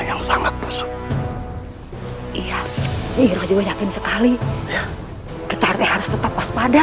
yang sangat busuk iya ini juga yakin sekali kita harus tetap pas pada